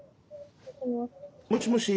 もしもし。